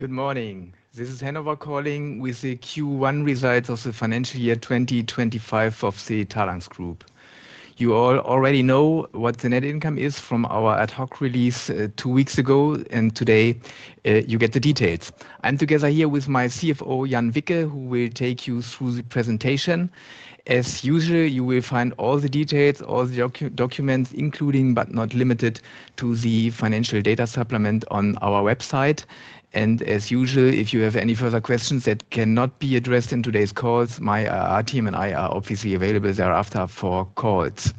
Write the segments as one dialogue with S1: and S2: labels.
S1: Good morning. This is Hannover calling with the Q1 results of the financial year 2025 of the Talanx Group. You all already know what the net income is from our ad hoc release two weeks ago, and today you get the details. I'm together here with my CFO, Jan Wicke, who will take you through the presentation. As usual, you will find all the details, all the documents, including but not limited to the financial data supplement on our website. As usual, if you have any further questions that cannot be addressed in today's calls, my team and I are obviously available thereafter for calls.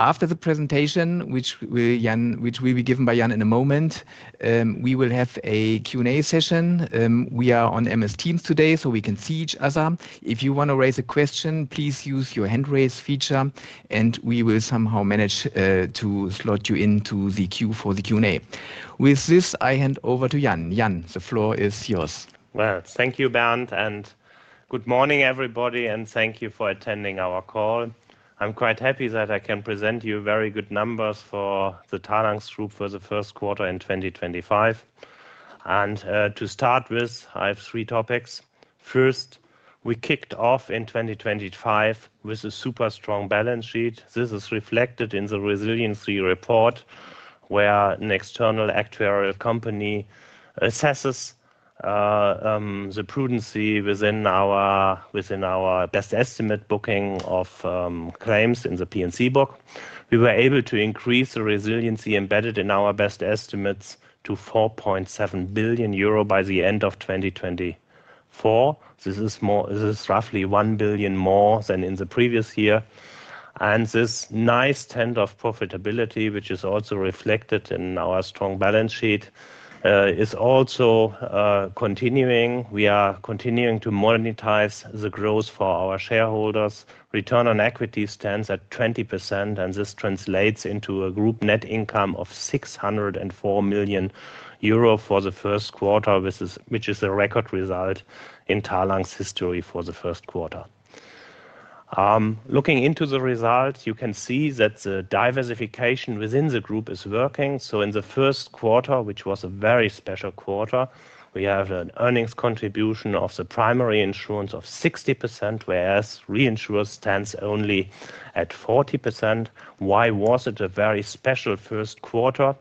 S1: After the presentation, which will be given by Jan in a moment, we will have a Q&A session. We are on MS Teams today, so we can see each other. If you want to raise a question, please use your hand-raise feature, and we will somehow manage to slot you into the queue for the Q&A. With this, I hand over to Jan. Jan, the floor is yours.
S2: Thank you, Bernd, and good morning, everybody, and thank you for attending our call. I'm quite happy that I can present you very good numbers for the Talanx Group for the first quarter in 2025. To start with, I have three topics. First, we kicked off in 2025 with a super strong balance sheet. This is reflected in the resiliency report where an external actuarial company assesses the prudency within our best estimate booking of claims in the P&C book. We were able to increase the resiliency embedded in our best estimates to 4.7 billion euro by the end of 2024. This is roughly 1 billion more than in the previous year. This nice trend of profitability, which is also reflected in our strong balance sheet, is also continuing. We are continuing to monetize the growth for our shareholders. Return on equity stands at 20%, and this translates into a group net income of 604 million euro for the first quarter, which is a record result in Talanx's history for the first quarter. Looking into the results, you can see that the diversification within the group is working. In the first quarter, which was a very special quarter, we have an earnings contribution of the primary insurance of 60%, whereas reinsurance stands only at 40%. Why was it a very special first quarter?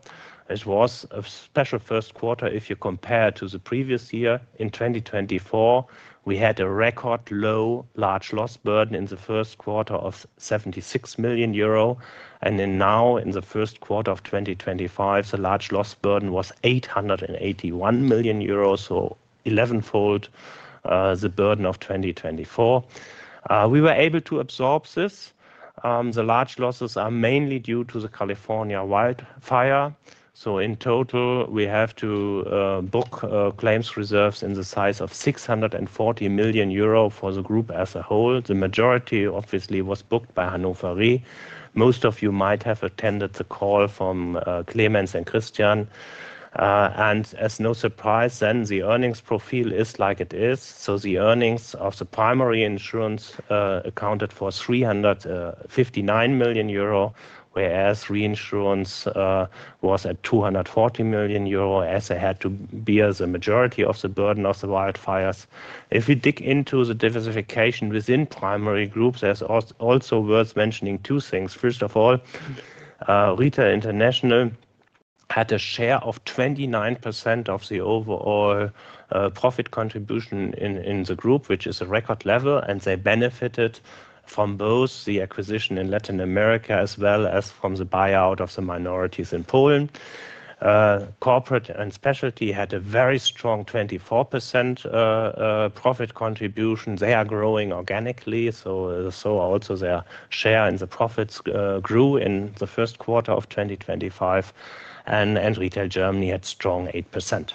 S2: It was a special first quarter if you compare to the previous year. In 2024, we had a record low large loss burden in the first quarter of 76 million euro. Now, in the first quarter of 2025, the large loss burden was 881 million euro, so 11-fold the burden of 2024. We were able to absorb this. The large losses are mainly due to the California wildfire. In total, we have to book claims reserves in the size of 640 million euro for the group as a whole. The majority, obviously, was booked by ad hoc release two weeks ago, Most of you might have attended the call from Clemens and Christian. As no surprise, the earnings profile is like it is. The earnings of the primary insurance accounted for 359 million euro, whereas reinsurance was at 240 million euro, as it had to bear the majority of the burden of the wildfires. If we dig into the diversification within primary groups, there's also worth mentioning two things. First of all, Retail International had a share of 29% of the overall profit contribution in the group, which is a record level, and they benefited from both the acquisition in Latin America as well as from the buyout of the minorities in Poland. Corporate and specialty had a very strong 24% profit contribution. They are growing organically, so also their share in the profits grew in the first quarter of 2025. Retail Germany had strong 8%.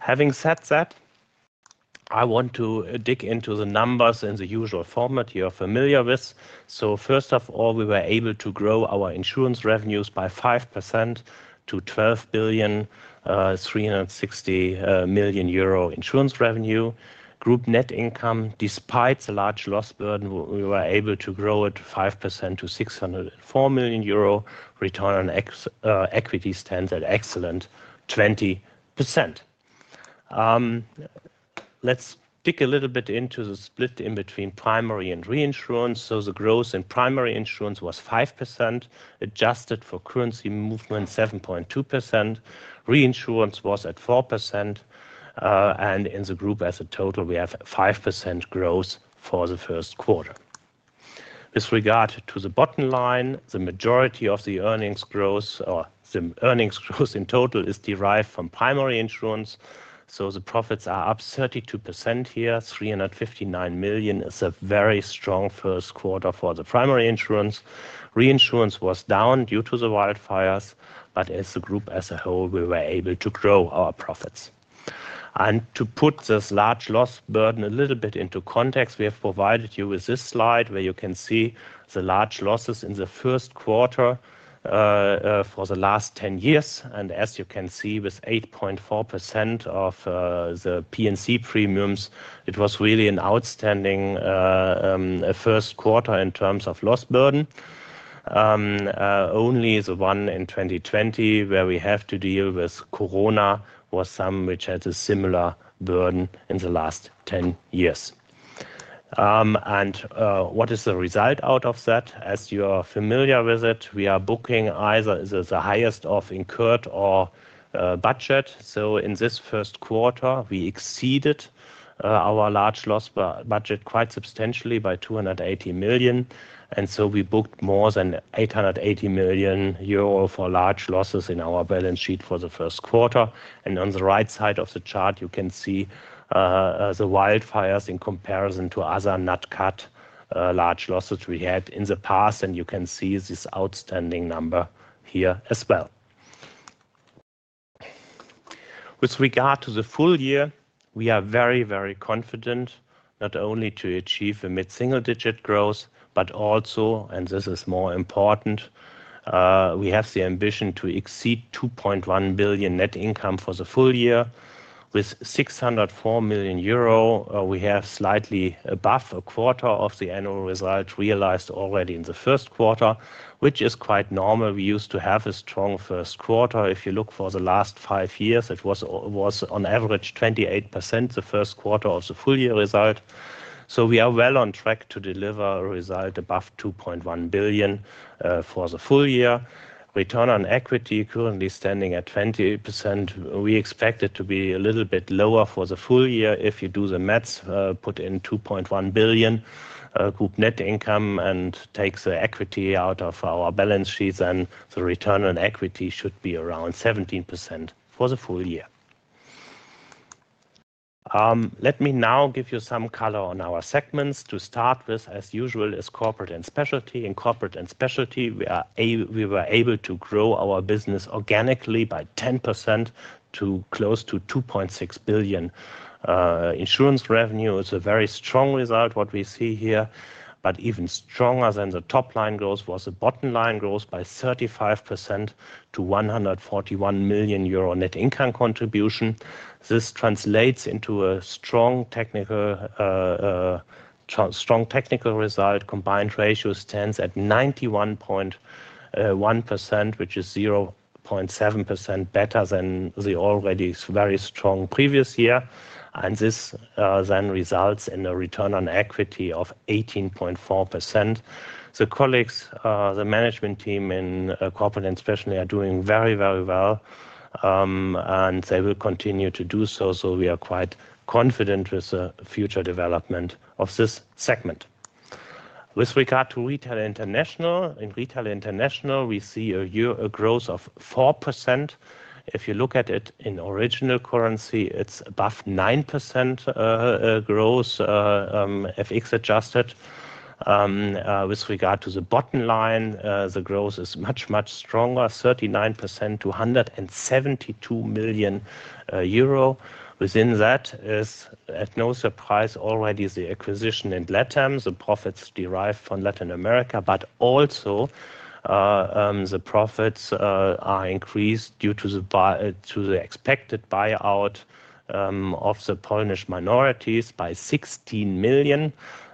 S2: Having said that, I want to dig into the numbers in the usual format you're familiar with. First of all, we were able to grow our insurance revenues by 5% to 12 billion, 360 million insurance revenue. Group net income, despite the large loss burden, we were able to grow it 5% to 604 million euro. Return on equity stands at excellent 20%. Let's dig a little bit into the split in between primary and reinsurance. The growth in primary insurance was 5%, adjusted for currency movement 7.2%. Reinsurance was at 4%. In the group as a total, we have 5% growth for the first quarter. With regard to the bottom line, the majority of the earnings growth, or the earnings growth in total, is derived from primary insurance. The profits are up 32% here. 359 million is a very strong first quarter for the primary insurance. Reinsurance was down due to the wildfires, but as a group as a whole, we were able to grow our profits. To put this large loss burden a little bit into context, we have provided you with this slide where you can see the large losses in the first quarter for the last 10 years. As you can see, with 8.4% of the P&C premiums, it was really an outstanding first quarter in terms of loss burden. Only the one in 2020, where we had to deal with Corona, was something which had a similar burden in the last 10 years. What is the result out of that? As you are familiar with it, we are booking either the highest of incurred or budget. In this first quarter, we exceeded our large loss budget quite substantially by 280 million. We booked more than 880 million euro for large losses in our balance sheet for the first quarter. On the right side of the chart, you can see the wildfires in comparison to other not-cut large losses we had in the past. You can see this outstanding number here as well. With regard to the full year, we are very, very confident not only to achieve a mid-single-digit growth, but also, and this is more important, we have the ambition to exceed 2.1 billion net income for the full year. With 604 million euro, we have slightly above a quarter of the annual result realized already in the first quarter, which is quite normal. We used to have a strong first quarter. If you look for the last five years, it was on average 28% the first quarter of the full year result. We are well on track to deliver a result above 2.1 billion for the full year. Return on equity currently standing at 20%. We expect it to be a little bit lower for the full year. If you do the maths, put in 2.1 billion group net income and take the equity out of our balance sheet, then the return on equity should be around 17% for the full year. Let me now give you some color on our segments. To start with, as usual, is corporate and specialty. In corporate and specialty, we were able to grow our business organically by 10% to close to 2.6 billion. Insurance revenue is a very strong result, what we see here, but even stronger than the top line growth was the bottom line growth by 35% to 141 million euro net income contribution. This translates into a strong technical result. Combined ratio stands at 91.1%, which is 0.7% better than the already very strong previous year. This then results in a return on equity of 18.4%. The colleagues, the management team in Corporate and Specialty, are doing very, very well, and they will continue to do so. We are quite confident with the future development of this segment. With regard to Retail International, in Retail International, we see a growth of 4%. If you look at it in original currency, it is above 9% growth, FX adjusted. With regard to the bottom line, the growth is much, much stronger, 39% to 172 million euro. Within that is, at no surprise, already the acquisition in Latin America, the profits derived from Latin America, but also the profits are increased due to the expected buyout of the Polish minorities by 16 million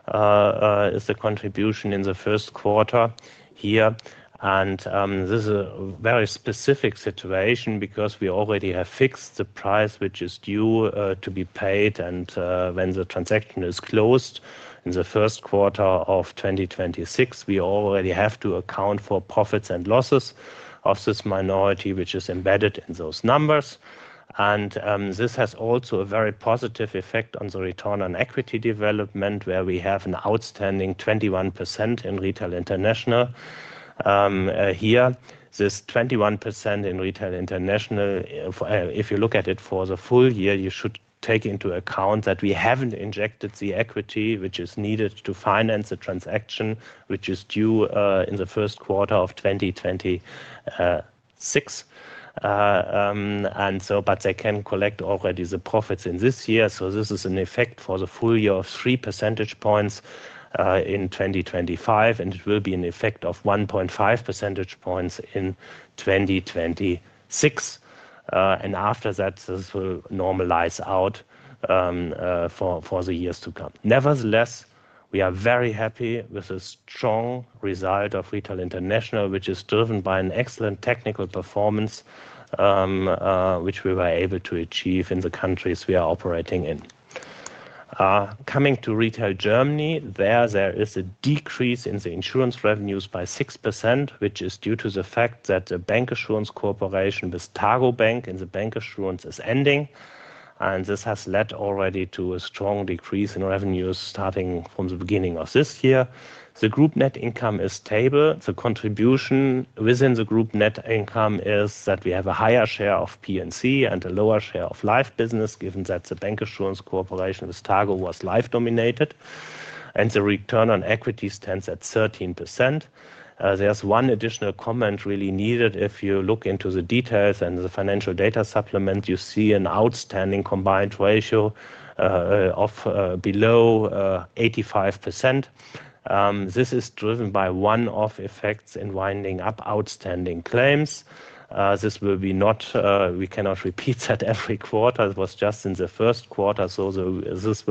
S2: is the contribution in the first quarter here. This is a very specific situation because we already have fixed the price which is due to be paid. When the transaction is closed in the first quarter of 2026, we already have to account for profits and losses of this minority, which is embedded in those numbers. This has also a very positive effect on the return on equity development, where we have an outstanding 21% in Retail International here. This 21% in Retail International, if you look at it for the full year, you should take into account that we have not injected the equity which is needed to finance the transaction, which is due in the first quarter of 2026. They can collect already the profits in this year. This is an effect for the full year of 3 percentage points in 2025, and it will be an effect of 1.5 percentage points in 2026. After that, this will normalize out for the years to come. Nevertheless, we are very happy with the strong result of Retail International, which is driven by an excellent technical performance, which we were able to achieve in the countries we are operating in. Coming to Retail Germany, there is a decrease in the insurance revenues by 6%, which is due to the fact that the bancassurance cooperation with TARGOBANK in the bancassurance is ending. This has led already to a strong decrease in revenues starting from the beginning of this year. The group net income is stable. The contribution within the group net income is that we have a higher share of P&C and a lower share of life business, given that the bancassurance cooperation with TARGOBANK was life dominated. The return on equity stands at 13%. There is one additional comment really needed. If you look into the details and the financial data supplement, you see an outstanding combined ratio of below 85%. This is driven by one of the effects in winding up outstanding claims. This will be not, we cannot repeat that every quarter. It was just in the first quarter. This will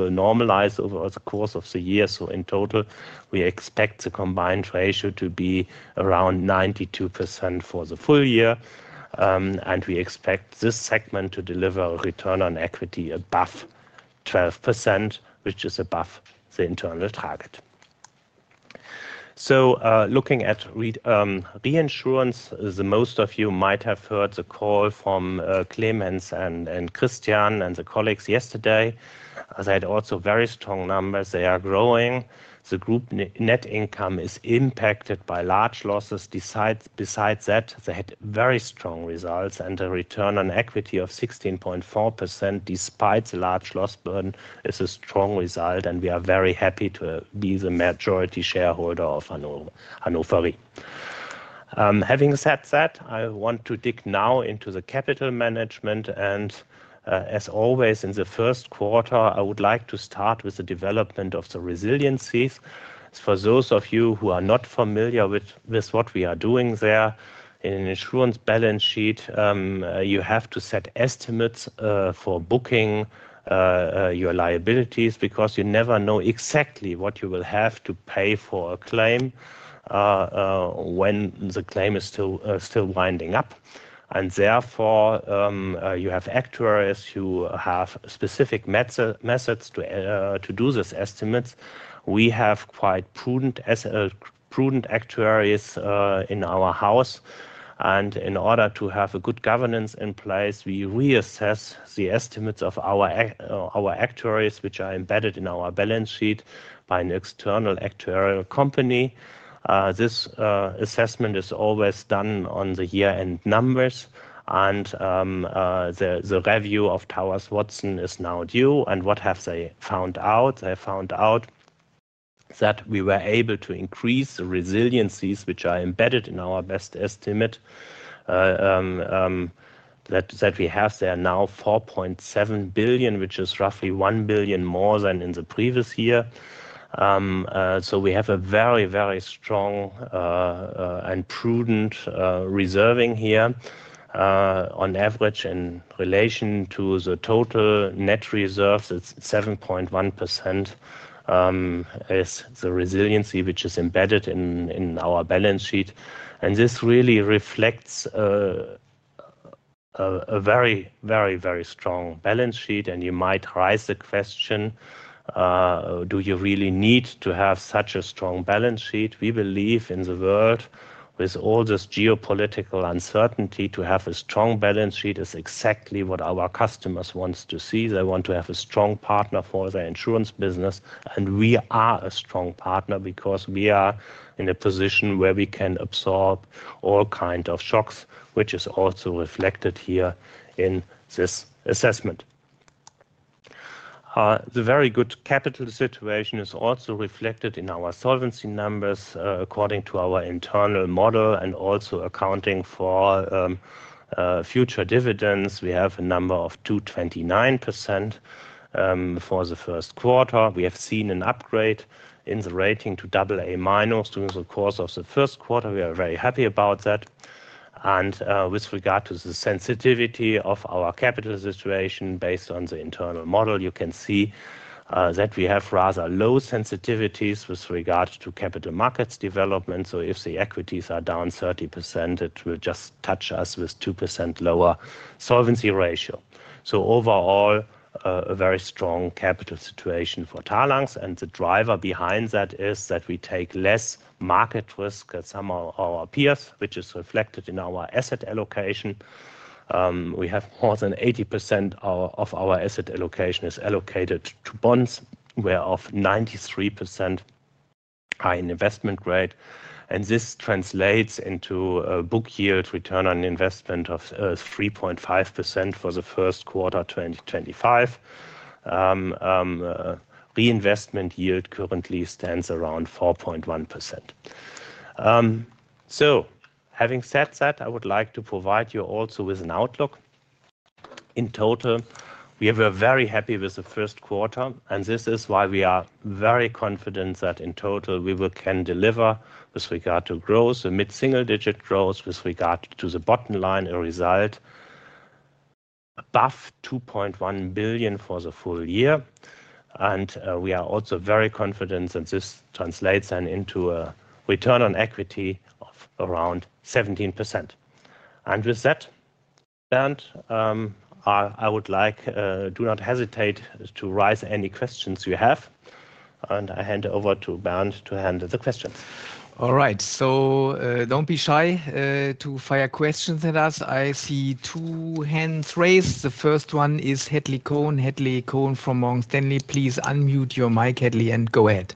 S2: normalize over the course of the year. In total, we expect the combined ratio to be around 92% for the full year. We expect this segment to deliver a return on equity above 12%, which is above the internal target. Looking at reinsurance, most of you might have heard the call from Clemens and Christian and the colleagues yesterday. They had also very strong numbers. They are growing. The group net income is impacted by large losses. Besides that, they had very strong results, and the return on equity of 16.4% despite the large loss burden is a strong result. We are very happy to be the majority shareholder of Hannover Re. Having said that, I want to dig now into the capital management. As always, in the first quarter, I would like to start with the development of the resiliencies. For those of you who are not familiar with what we are doing there, in an insurance balance sheet, you have to set estimates for booking your liabilities because you never know exactly what you will have to pay for a claim when the claim is still winding up. Therefore, you have actuaries who have specific methods to do these estimates. We have quite prudent actuaries in our house. In order to have a good governance in place, we reassess the estimates of our actuaries, which are embedded in our balance sheet by an external actuarial company. This assessment is always done on the year-end numbers. The review of Willis Towers Watson is now due. What have they found out? They found out that we were able to increase the resiliencies, which are embedded in our best estimate, that we have there now 4.7 billion, which is roughly 1 billion more than in the previous year. We have a very, very strong and prudent reserving here. On average, in relation to the total net reserves, it is 7.1% is the resiliency which is embedded in our balance sheet. This really reflects a very, very, very strong balance sheet. You might raise the question, do you really need to have such a strong balance sheet? We believe in the world, with all this geopolitical uncertainty, to have a strong balance sheet is exactly what our customers want to see. They want to have a strong partner for their insurance business. We are a strong partner because we are in a position where we can absorb all kinds of shocks, which is also reflected here in this assessment. The very good capital situation is also reflected in our solvency numbers according to our internal model and also accounting for future dividends. We have a number of 229% for the first quarter. We have seen an upgrade in the rating to AA minus during the course of the first quarter. We are very happy about that. With regard to the sensitivity of our capital situation based on the internal model, you can see that we have rather low sensitivities with regard to capital markets development. If the equities are down 30%, it will just touch us with 2% lower solvency ratio. Overall, a very strong capital situation for Talanx. The driver behind that is that we take less market risk than some of our peers, which is reflected in our asset allocation. We have more than 80% of our asset allocation allocated to bonds, whereof 93% are in investment grade. This translates into a book yield return on investment of 3.5% for the first quarter 2025. Reinvestment yield currently stands around 4.1%. Having said that, I would like to provide you also with an outlook. In total, we were very happy with the first quarter. This is why we are very confident that in total, we can deliver with regard to growth, a mid-single-digit growth with regard to the bottom line result, above 2.1 billion for the full year. We are also very confident that this translates into a return on equity of around 17%. With that, Bernd, I would like you to not hesitate to raise any questions you have. I hand over to Bernd to handle the questions.
S1: All right. Do not be shy to fire questions at us. I see two hands raised. The first one is Hadley Cohen. Hadley Cohen from Morgan Stanley. Please unmute your mic, Hedley, and go ahead.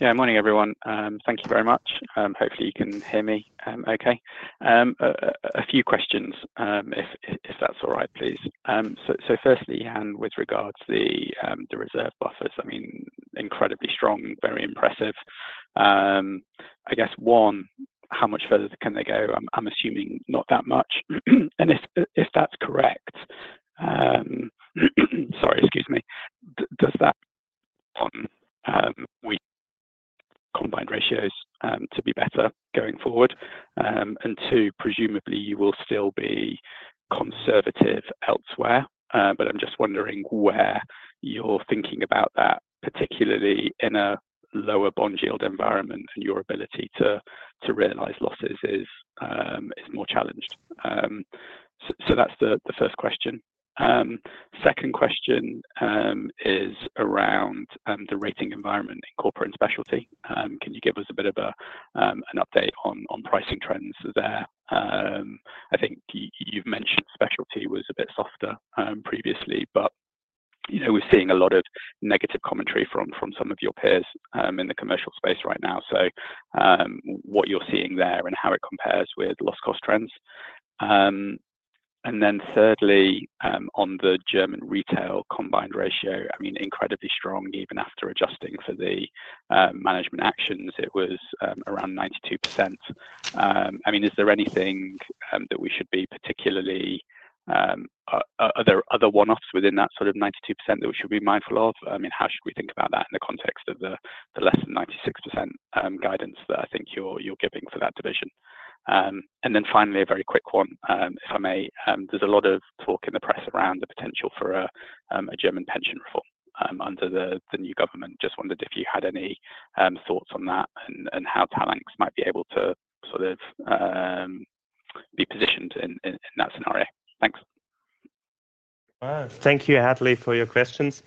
S3: Yeah, morning, everyone. Thank you very much. Hopefully, you can hear me okay. A few questions, if that's all right, please. Firstly, with regard to the reserve buffers, I mean, incredibly strong, very impressive. I guess, one, how much further can they go? I'm assuming not that much. If that's correct, sorry, excuse me, does that combined ratio need to be better going forward? Two, presumably, you will still be conservative elsewhere. I'm just wondering where you're thinking about that, particularly in a lower bond yield environment, and your ability to realize losses is more challenged. That's the first question. The second question is around the rating environment in corporate and specialty. Can you give us a bit of an update on pricing trends there? I think you've mentioned specialty was a bit softer previously, but we're seeing a lot of negative commentary from some of your peers in the commercial space right now. What are you seeing there and how does it compare with loss-cost trends? Thirdly, on the German retail combined ratio, I mean, incredibly strong, even after adjusting for the management actions, it was around 92%. I mean, is there anything that we should be particularly, are there one-offs within that sort of 92% that we should be mindful of? I mean, how should we think about that in the context of the less than 96% guidance that I think you're giving for that division? Finally, a very quick one, if I may, there's a lot of talk in the press around the potential for a German pension reform under the new government. Just wondered if you had any thoughts on that and how Talanx might be able to sort of be positioned in that scenario. Thanks.
S2: Thank you, Hedley, for your questions.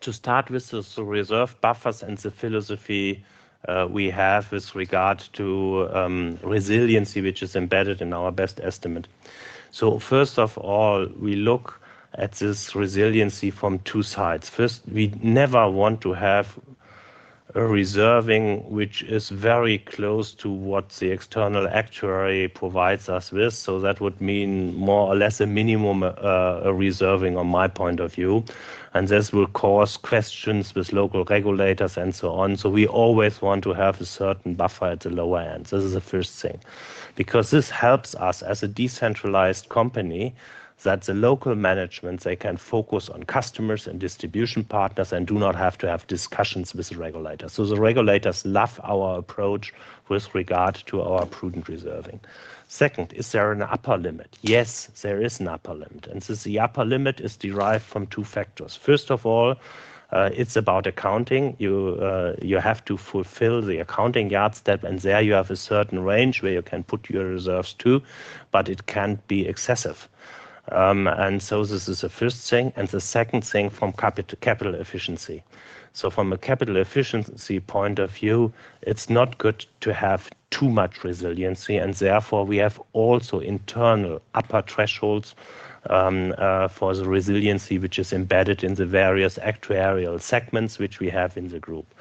S2: To start with the reserve buffers and the philosophy we have with regard to resiliency, which is embedded in our best estimate. First of all, we look at this resiliency from two sides. First, we never want to have a reserving which is very close to what the external actuary provides us with. That would mean more or less a minimum reserving from my point of view. This will cause questions with local regulators and so on. We always want to have a certain buffer at the lower end. This is the first thing. This helps us as a decentralized company so that the local management, they can focus on customers and distribution partners and do not have to have discussions with the regulators. The regulators love our approach with regard to our prudent reserving. Second, is there an upper limit? Yes, there is an upper limit. The upper limit is derived from two factors. First of all, it's about accounting. You have to fulfill the accounting yardstep, and there you have a certain range where you can put your reserves to, but it can't be excessive. This is the first thing. The second thing is from capital efficiency. From a capital efficiency point of view, it's not good to have too much resiliency. Therefore, we have also internal upper thresholds for the resiliency, which is embedded in the various actuarial segments which we have in the group.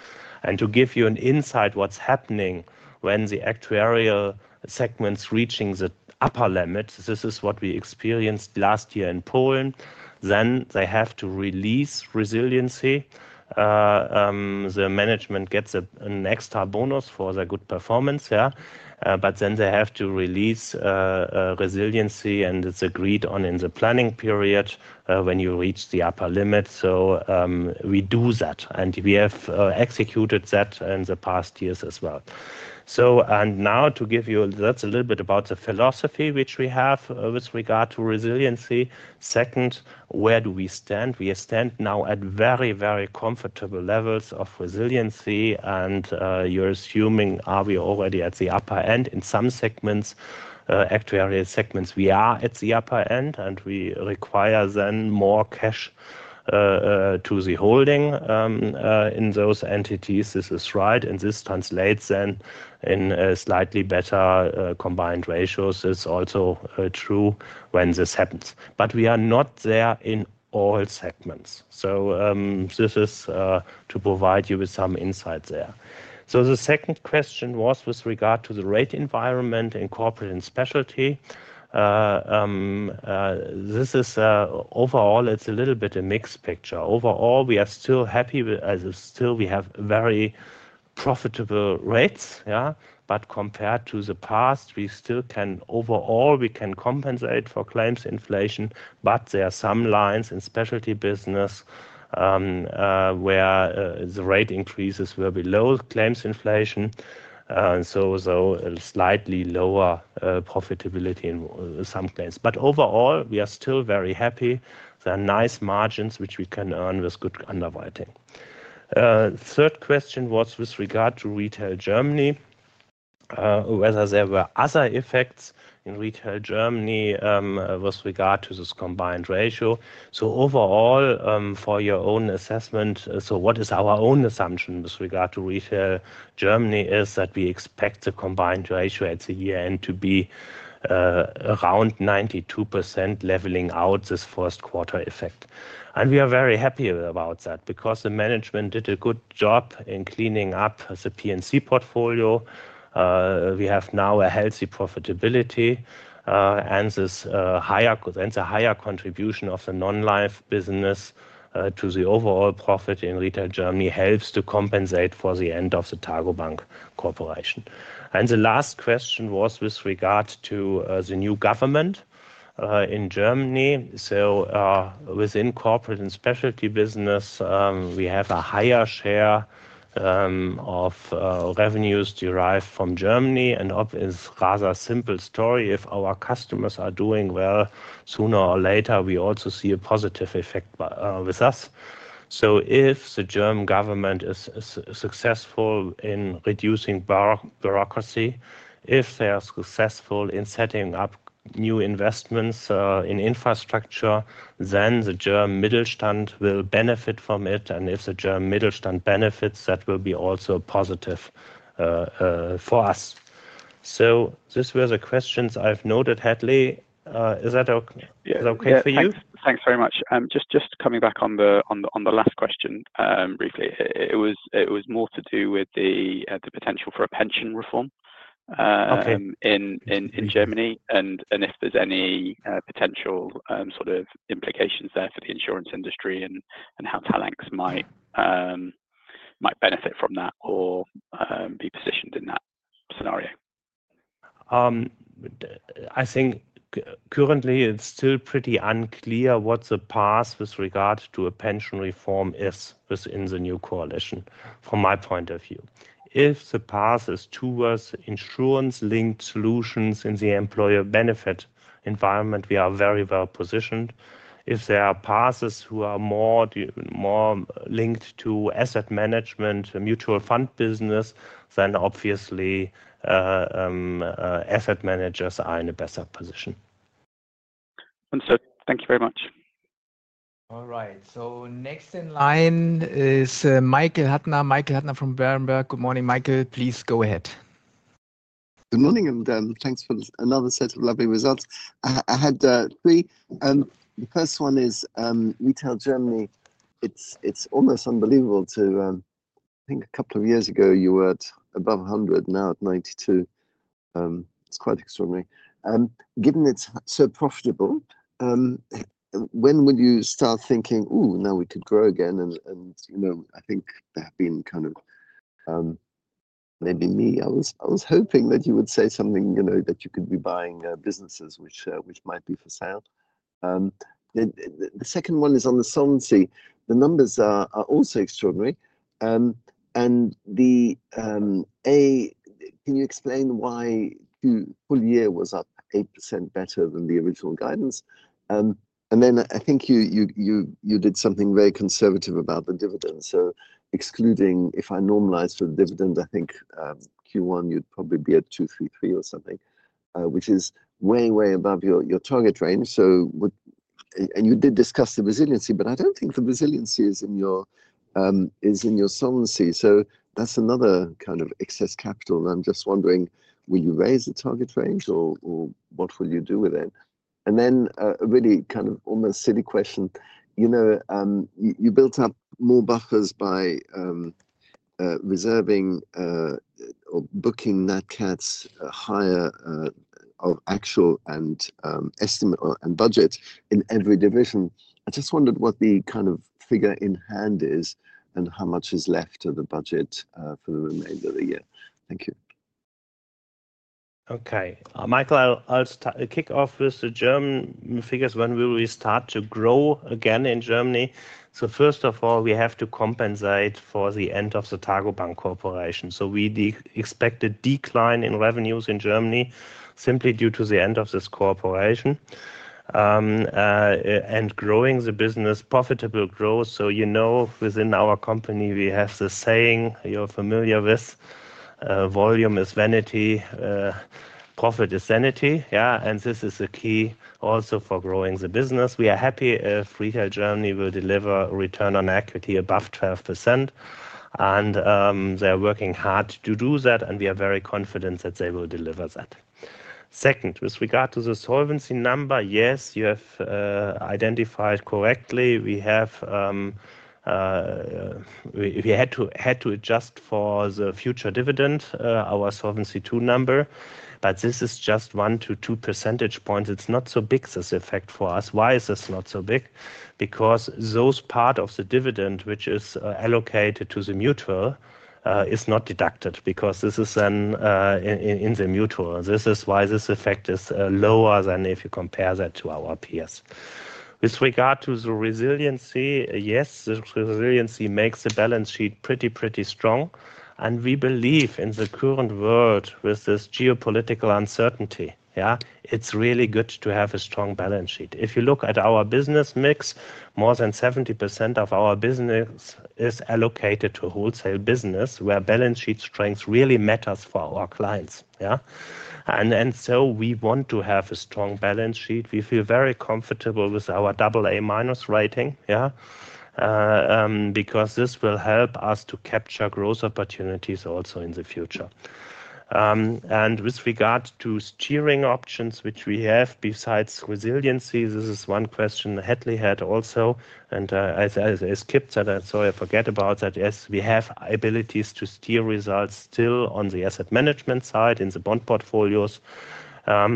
S2: To give you an insight, what's happening when the actuarial segments are reaching the upper limit, this is what we experienced last year in Poland. They have to release resiliency. The management gets an extra bonus for their good performance. Then they have to release resiliency, and it's agreed on in the planning period when you reach the upper limit. We do that. We have executed that in the past years as well. To give you, that's a little bit about the philosophy which we have with regard to resiliency. Second, where do we stand? We stand now at very, very comfortable levels of resiliency. You're assuming, are we already at the upper end? In some segments, actuarial segments, we are at the upper end, and we require then more cash to the holding in those entities. This is right. This translates then in slightly better combined ratios. It's also true when this happens. We are not there in all segments. This is to provide you with some insight there. The second question was with regard to the rate environment in corporate and specialty. This is overall, it's a little bit a mixed picture. Overall, we are still happy as still we have very profitable rates. Compared to the past, we still can overall, we can compensate for claims inflation. There are some lines in specialty business where the rate increases will be low claims inflation, so slightly lower profitability in some cases. Overall, we are still very happy. There are nice margins which we can earn with good underwriting. The third question was with regard to Retail Germany, whether there were other effects in Retail Germany with regard to this combined ratio. Overall, for your own assessment, what is our own assumption with regard to Retail Germany is that we expect the combined ratio at the year-end to be around 92% leveling out this first quarter effect. We are very happy about that because the management did a good job in cleaning up the P&C portfolio. We have now a healthy profitability. A higher contribution of the non-life business to the overall profit in Retail Germany helps to compensate for the end of the TARGOBANK Corporation. The last question was with regard to the new government in Germany. Within corporate and specialty business, we have a higher share of revenues derived from Germany. It is a rather simple story. If our customers are doing well, sooner or later, we also see a positive effect with us. If the German government is successful in reducing bureaucracy, if they are successful in setting up new investments in infrastructure, the German Mittelstand will benefit from it. If the German Mittelstand benefits, that will be also positive for us. These were the questions I've noted, Hedley. Is that okay for you?
S3: Thanks very much. Just coming back on the last question briefly, it was more to do with the potential for a pension reform in Germany and if there's any potential sort of implications there for the insurance industry and how Talanx might benefit from that or be positioned in that scenario.
S2: I think currently, it's still pretty unclear what the path with regard to a pension reform is within the new coalition, from my point of view. If the path is towards insurance-linked solutions in the employer benefit environment, we are very well positioned. If there are paths who are more linked to asset management, mutual fund business, then obviously, asset managers are in a better position.
S3: Thank you very much.
S1: All right. Next in line is Michael Hattner. Michael Hattner from Berenberg. Good morning, Michael. Please go ahead.
S4: Good morning, and thanks for another set of lovely results. I had three. The first one is Retail Germany. It's almost unbelievable to think a couple of years ago, you were at above 100, now at 92. It's quite extraordinary. Given it's so profitable, when would you start thinking, "Ooh, now we could grow again"? I think there have been kind of maybe me. I was hoping that you would say something that you could be buying businesses which might be for sale. The second one is on the solvency. The numbers are also extraordinary. Can you explain why Q4 was up 8% better than the original guidance? I think you did something very conservative about the dividend. Excluding, if I normalize for the dividend, I think Q1, you'd probably be at 233 or something, which is way, way above your target range. You did discuss the resiliency, but I do not think the resiliency is in your solvency. That is another kind of excess capital. I am just wondering, will you raise the target range or what will you do with it? A really kind of almost silly question. You built up more buffers by reserving or booking NatCats higher of actual and estimate and budget in every division. I just wondered what the kind of figure in hand is and how much is left of the budget for the remainder of the year. Thank you.
S2: Okay. Michael, I'll kick off with the German figures. When will we start to grow again in Germany? First of all, we have to compensate for the end of the TARGOBANK Corporation. We expect a decline in revenues in Germany simply due to the end of this corporation and growing the business, profitable growth. You know within our company, we have the saying you're familiar with, "Volume is vanity, profit is sanity." Yeah. This is a key also for growing the business. We are happy if Retail Germany will deliver return on equity above 12%. They are working hard to do that, and we are very confident that they will deliver that. Second, with regard to the solvency number, yes, you have identified correctly. We had to adjust for the future dividend, our Solvency II number. This is just one to two percentage points. It's not so big as an effect for us. Why is this not so big? Because those part of the dividend which is allocated to the mutual is not deducted because this is then in the mutual. This is why this effect is lower than if you compare that to our peers. With regard to the resiliency, yes, the resiliency makes the balance sheet pretty, pretty strong. We believe in the current world with this geopolitical uncertainty, yeah, it's really good to have a strong balance sheet. If you look at our business mix, more than 70% of our business is allocated to wholesale business where balance sheet strength really matters for our clients. Yeah. We want to have a strong balance sheet. We feel very comfortable with our double A minus rating, yeah, because this will help us to capture growth opportunities also in the future. With regard to steering options which we have besides resiliency, this is one question Hedley had also. I skipped that, and so I forget about that. Yes, we have abilities to steer results still on the asset management side in the bond portfolios. To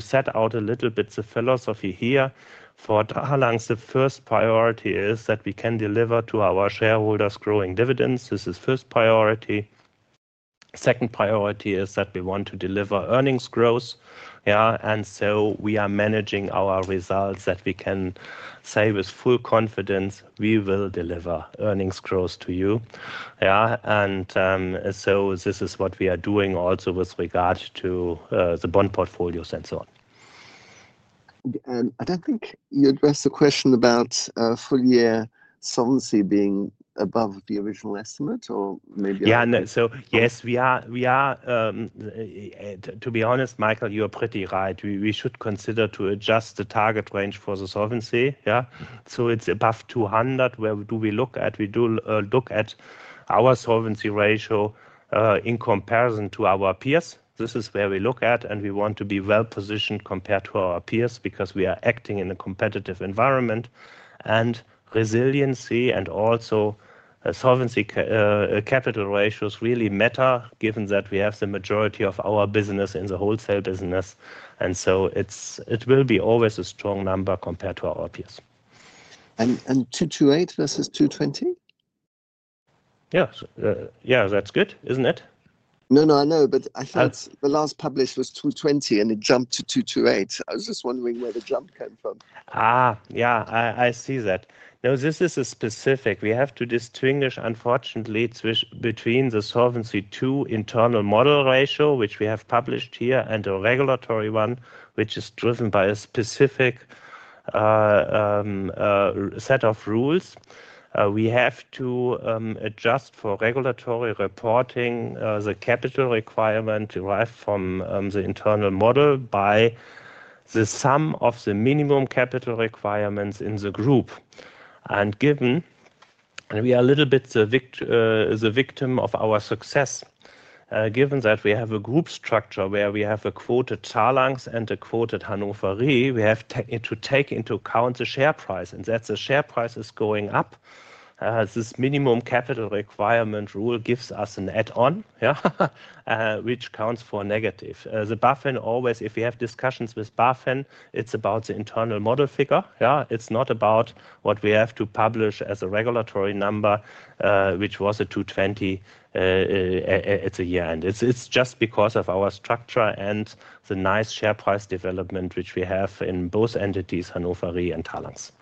S2: set out a little bit the philosophy here for Talanx, the first priority is that we can deliver to our shareholders growing dividends. This is first priority. Second priority is that we want to deliver earnings growth. Yeah. We are managing our results that we can say with full confidence, we will deliver earnings growth to you. Yeah. This is what we are doing also with regard to the bond portfolios and so on.
S4: I do not think you addressed the question about full year solvency being above the original estimate or maybe.
S2: Yeah. Yes, we are, to be honest, Michael, you are pretty right. We should consider to adjust the target range for the solvency. Yeah. It is above 200. Where do we look at? We do look at our solvency ratio in comparison to our peers. This is where we look at, and we want to be well positioned compared to our peers because we are acting in a competitive environment. Resiliency and also solvency capital ratios really matter given that we have the majority of our business in the wholesale business. It will always be a strong number compared to our peers.
S4: 228 versus 220?
S1: Yeah. Yeah. That is good, is it not?
S4: No, no, I know, but I thought the last published was 220, and it jumped to 228. I was just wondering where the jump came from.
S2: Yeah, I see that. Now, this is a specific we have to distinguish, unfortunately, between the Solvency II internal model ratio, which we have published here, and a regulatory one, which is driven by a specific set of rules. We have to adjust for regulatory reporting the capital requirement derived from the internal model by the sum of the minimum capital requirements in the group. And we are a little bit the victim of our success. Given that we have a group structure where we have a quoted Talanx and a quoted Hannover Re, we have to take into account the share price. And as the share price is going up, this minimum capital requirement rule gives us an add-on, yeah, which counts for negative. The BaFin always, if we have discussions with BaFin, it's about the internal model figure. Yeah. It's not about what we have to publish as a regulatory number, which was a 220 at the year. It's just because of our structure and the nice share price development which we have in both entities, Hannover Re and Talanx.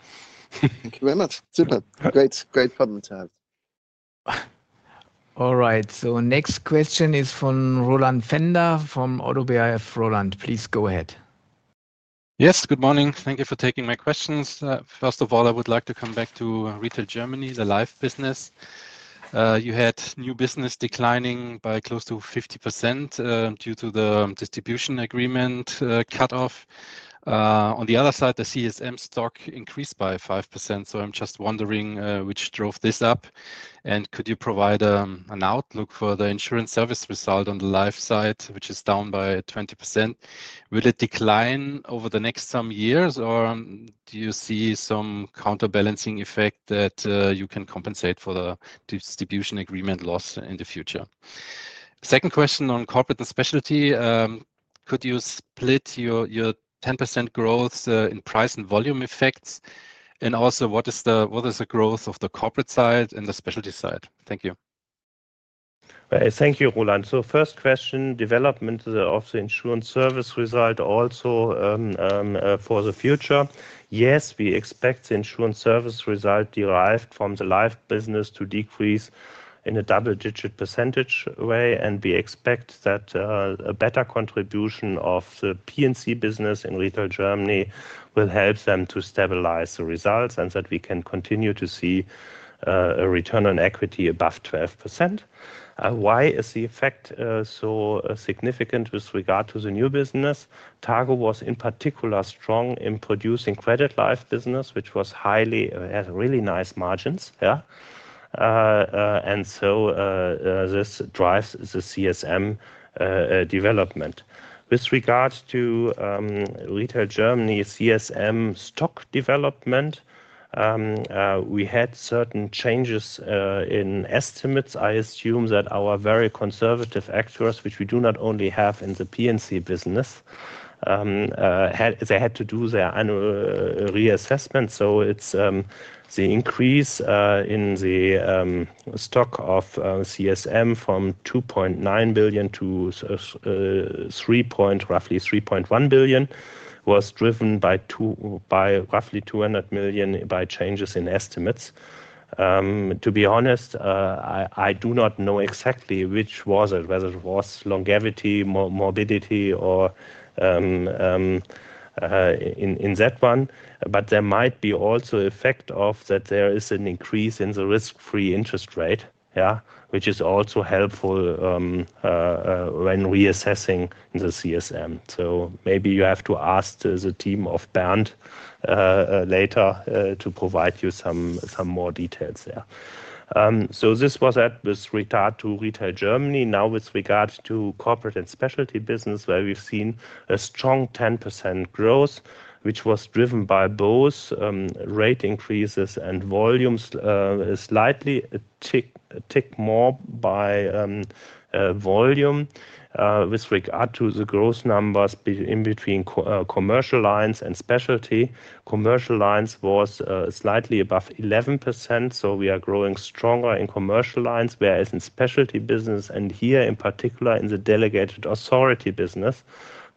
S4: Thank you very much. Super. Great, great problem to have.
S1: All right. Next question is from Roland Pfänder from Oddo BHF. Roland, please go ahead.
S5: Yes, good morning. Thank you for taking my questions. First of all, I would like to come back to retail Germany, the life business. You had new business declining by close to 50% due to the distribution agreement cutoff. On the other side, the CSM stock increased by 5%. I'm just wondering which drove this up. Could you provide an outlook for the insurance service result on the life side, which is down by 20%? Will it decline over the next some years, or do you see some counterbalancing effect that you can compensate for the distribution agreement loss in the future? Second question on corporate and specialty. Could you split your 10% growth in price and volume effects? Also, what is the growth of the corporate side and the specialty side? Thank you.
S2: Thank you, Roland. First question, development of the insurance service result also for the future. Yes, we expect the insurance service result derived from the life business to decrease in a double-digit percentage way. We expect that a better contribution of the P&C business in Retail Germany will help them to stabilize the results and that we can continue to see a return on equity above 12%. Why is the effect so significant with regard to the new business? TARGOBANK was in particular strong in producing credit life business, which had really nice margins. Yeah. This drives the CSM development. With regards to Retail Germany CSM stock development, we had certain changes in estimates. I assume that our very conservative actuaries, which we do not only have in the P&C business, they had to do their annual reassessment. The increase in the stock of CSM from 2.9 billion to roughly 3.1 billion was driven by roughly 200 million by changes in estimates. To be honest, I do not know exactly which was it, whether it was longevity, morbidity, or in that one. There might be also an effect of that there is an increase in the risk-free interest rate, yeah, which is also helpful when reassessing the CSM. Maybe you have to ask the team of Bernd later to provide you some more details there. This was that with regard to Retail Germany. Now, with regard to corporate and specialty business, where we've seen a strong 10% growth, which was driven by both rate increases and volumes, slightly tick more by volume with regard to the growth numbers in between commercial lines and specialty. Commercial lines was slightly above 11%. We are growing stronger in commercial lines, whereas in specialty business, and here in particular in the delegated authority business,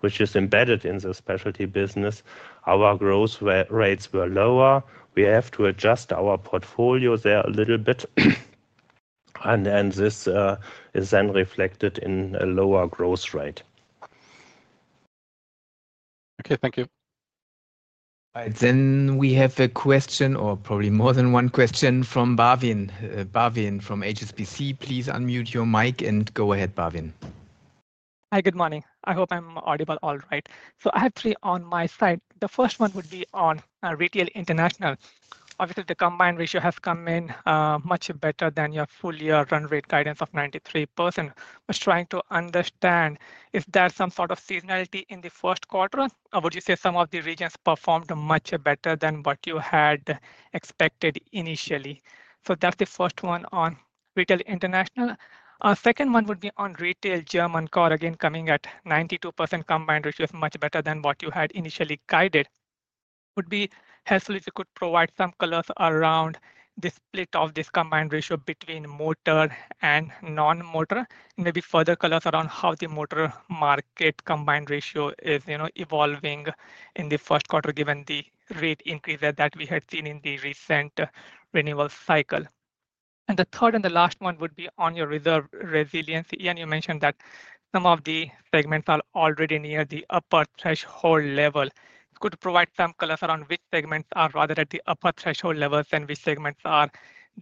S2: which is embedded in the specialty business, our growth rates were lower. We have to adjust our portfolio there a little bit. This is then reflected in a lower growth rate.
S5: Okay. Thank you.
S1: All right. We have a question, or probably more than one question, from Barvin from HSBC. Please unmute your mic and go ahead, Barvin.
S6: Hi, good morning. I hope I'm audible all right. I have three on my side. The first one would be on retail international. Obviously, the combined ratio has come in much better than your full year run rate guidance of 93%. I was trying to understand, is there some sort of seasonality in the first quarter, or would you say some of the regions performed much better than what you had expected initially? That is the first one on retail international. Our second one would be on retail German car, again coming at 92% combined ratio, much better than what you had initially guided. It would be helpful if you could provide some colors around the split of this combined ratio between motor and non-motor, maybe further colors around how the motor market combined ratio is evolving in the first quarter, given the rate increase that we had seen in the recent renewal cycle. The third and the last one would be on your reserve resiliency. Again, you mentioned that some of the segments are already near the upper threshold level. Could you provide some colors around which segments are rather at the upper threshold levels and which segments are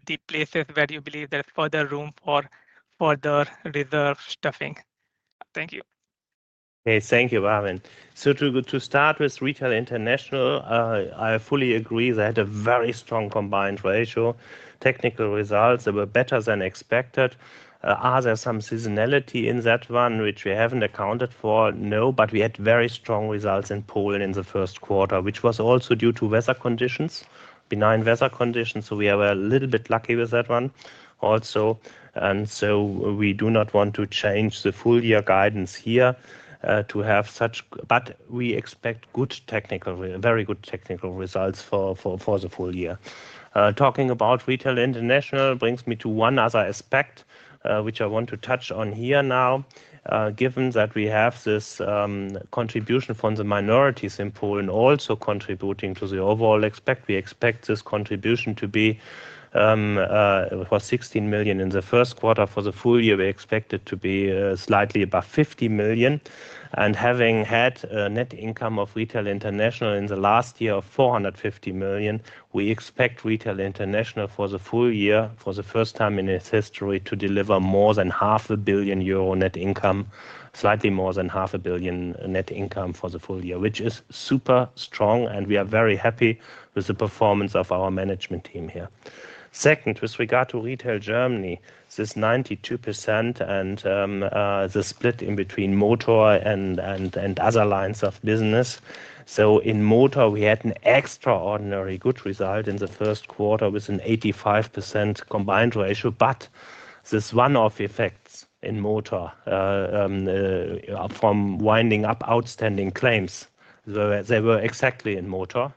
S6: the places where you believe there is further room for further reserve stuffing? Thank you.
S2: Okay. Thank you, Barvin. To start with retail international, I fully agree that a very strong combined ratio, technical results that were better than expected. Are there some seasonality in that one which we have not accounted for? No, but we had very strong results in Poland in the first quarter, which was also due to weather conditions, benign weather conditions. We are a little bit lucky with that one also. We do not want to change the full year guidance here to have such, but we expect very good technical results for the full year. Talking about retail international brings me to one other aspect which I want to touch on here now. Given that we have this contribution from the minorities in Poland also contributing to the overall expect, we expect this contribution to be for 16 million in the first quarter. For the full year, we expect it to be slightly above 50 million. Having had a net income of Retail International in the last year of 450 million, we expect Retail International for the full year, for the first time in its history, to deliver more than half a billion euro net income, slightly more than 500 million net income for the full year, which is super strong. We are very happy with the performance of our management team here. Second, with regard to Retail Germany, this 92% and the split in between motor and other lines of business. In motor, we had an extraordinarily good result in the first quarter with an 85% combined ratio. There is a one-off effect in motor from winding up outstanding claims. They were exactly in motor,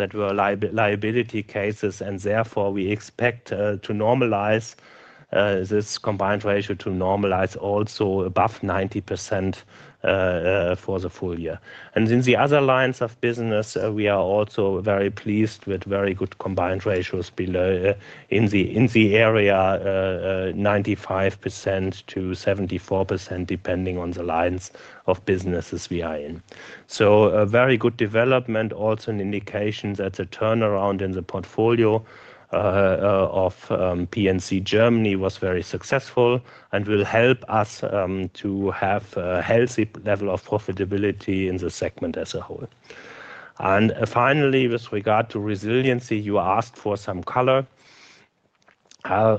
S2: yeah, that were liability cases. Therefore, we expect this combined ratio to normalize also above 90% for the full year. In the other lines of business, we are also very pleased with very good combined ratios in the area, 95%-74%, depending on the lines of businesses we are in. A very good development, also an indication that the turnaround in the portfolio of P&C Germany was very successful and will help us to have a healthy level of profitability in the segment as a whole. Finally, with regard to resiliency, you asked for some color.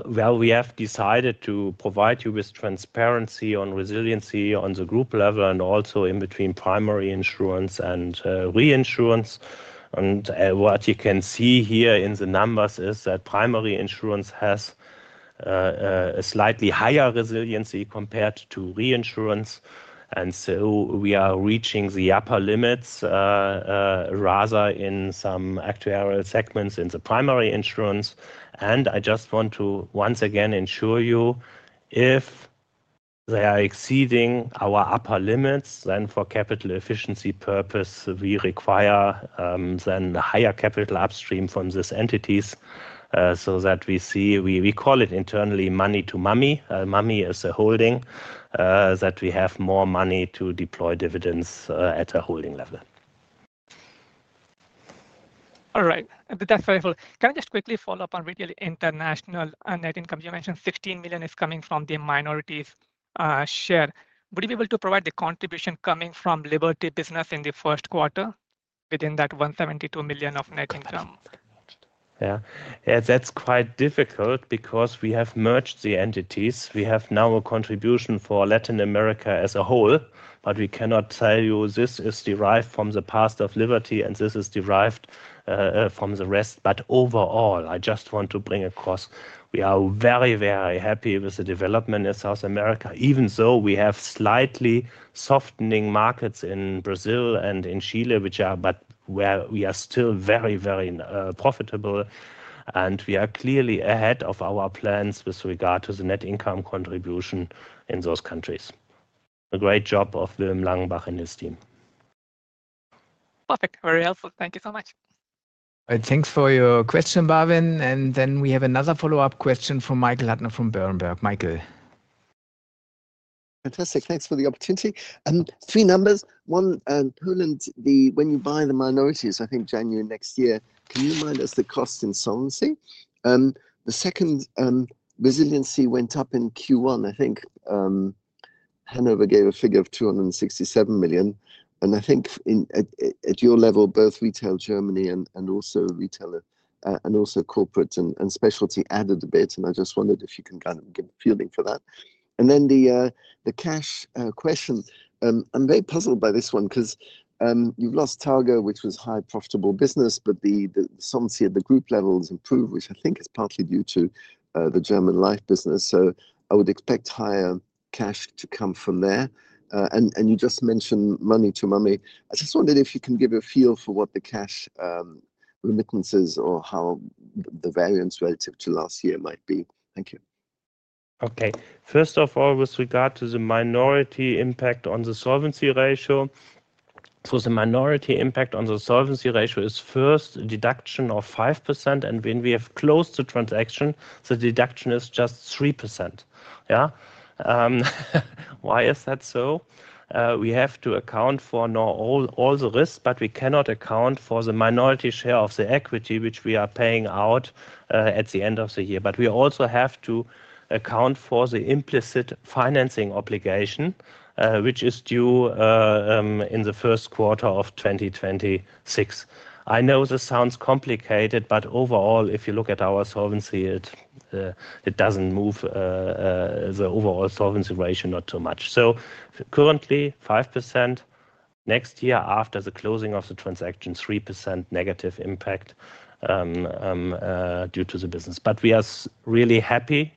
S2: We have decided to provide you with transparency on resiliency on the group level and also in between primary insurance and reinsurance. What you can see here in the numbers is that primary insurance has a slightly higher resiliency compared to reinsurance. We are reaching the upper limits rather in some actuarial segments in the primary insurance. I just want to once again ensure you, if they are exceeding our upper limits, then for capital efficiency purpose, we require then a higher capital upstream from these entities so that we see, we call it internally, money to mummy. Mummy is a holding that we have more money to deploy dividends at a holding level.
S6: All right. That's very helpful. Can I just quickly follow up on retail international net income? You mentioned 16 million is coming from the minorities share. Would you be able to provide the contribution coming from Liberty business in the first quarter within that 172 million of net income?
S2: Yeah. Yeah. That's quite difficult because we have merged the entities. We have now a contribution for Latin America as a whole, but we cannot tell you this is derived from the past of Liberty, and this is derived from the rest. Overall, I just want to bring across, we are very, very happy with the development in South America, even though we have slightly softening markets in Brazil and in Chile, but where we are still very, very profitable. We are clearly ahead of our plans with regard to the net income contribution in those countries. A great job of Will Langenbach and his team.
S6: Perfect. Very helpful. Thank you so much. All right.
S1: Thanks for your question, Barvin. We have another follow-up question from Michael Huttner from Berenberg. Michael.
S7: Fantastic. Thanks for the opportunity. Three numbers. One, Poland, when you buy the minorities, I think January next year, can you mind us the cost in Solvency II? The second, resiliency went up in Q1. I think Hannover gave a figure of 267 million. I think at your level, both Retail Germany and also retail and also corporate and specialty added a bit. I just wondered if you can kind of give a feeling for that. The cash question, I'm very puzzled by this one because you've lost Targo, which was high profitable business, but the solvency at the group level has improved, which I think is partly due to the German life business. I would expect higher cash to come from there. You just mentioned money to mummy. I just wondered if you can give a feel for what the cash remittances or how the variance relative to last year might be. Thank you.
S2: Okay. First of all, with regard to the minority impact on the solvency ratio, the minority impact on the solvency ratio is first deduction of 5%. When we have closed the transaction, the deduction is just 3%. Yeah. Why is that so? We have to account for all the risks, but we cannot account for the minority share of the equity, which we are paying out at the end of the year. We also have to account for the implicit financing obligation, which is due in the first quarter of 2026. I know this sounds complicated, but overall, if you look at our solvency, it does not move the overall solvency ratio too much. Currently, 5%. Next year, after the closing of the transaction, 3% negative impact due to the business. We are really happy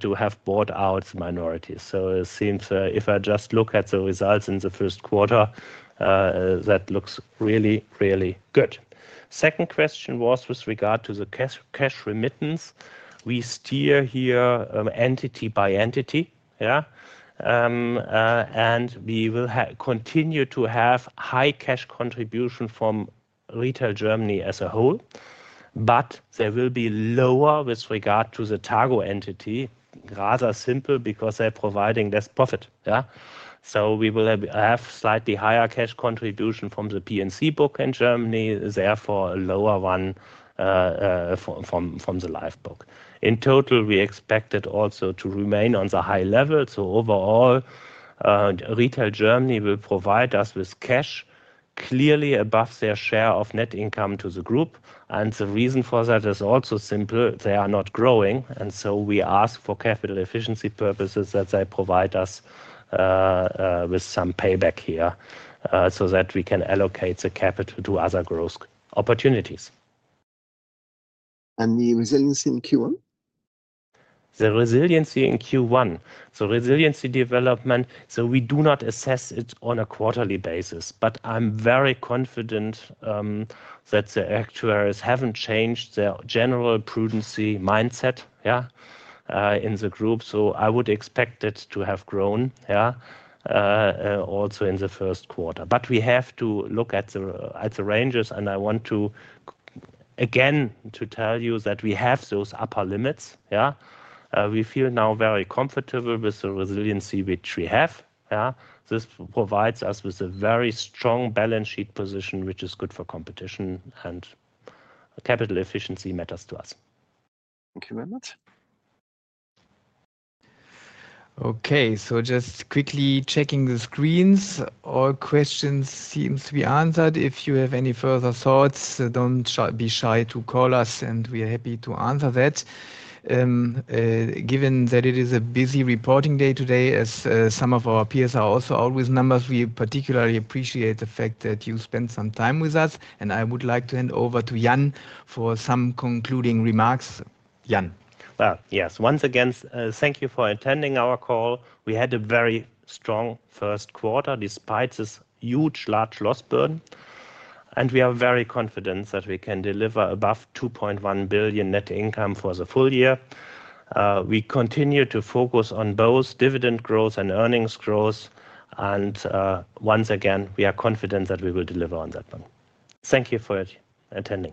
S2: to have bought out minorities. It seems if I just look at the results in the first quarter, that looks really, really good. Second question was with regard to the cash remittance. We steer here entity by entity. Yeah. We will continue to have high cash contribution from Retail Germany as a whole, but there will be lower with regard to the TARGOBANK entity, rather simple because they're providing less profit. Yeah. We will have slightly higher cash contribution from the P&C book in Germany, therefore a lower one from the life book. In total, we expect it also to remain on the high level. Overall, Retail Germany will provide us with cash clearly above their share of net income to the group. The reason for that is also simple. They are not growing. We ask for capital efficiency purposes that they provide us with some payback here so that we can allocate the capital to other growth opportunities. The resiliency in Q1? The resiliency in Q1. Resiliency development. We do not assess it on a quarterly basis, but I'm very confident that the actuaries haven't changed their general prudency mindset, yeah, in the group. I would expect it to have grown, yeah, also in the first quarter. We have to look at the ranges, and I want to again tell you that we have those upper limits. Yeah. We feel now very comfortable with the resiliency which we have. Yeah. This provides us with a very strong balance sheet position, which is good for competition, and capital efficiency matters to us.
S7: Thank you very much.
S1: Okay. Just quickly checking the screens. All questions seem to be answered. If you have any further thoughts, don't be shy to call us, and we're happy to answer that. Given that it is a busy reporting day today, as some of our peers are also out with numbers, we particularly appreciate the fact that you spent some time with us. I would like to hand over to Jan for some concluding remarks. Jan.
S2: Yes. Once again, thank you for attending our call. We had a very strong first quarter despite this huge large loss burden. We are very confident that we can deliver above 2.1 billion net income for the full year. We continue to focus on both dividend growth and earnings growth. Once again, we are confident that we will deliver on that one. Thank you for attending.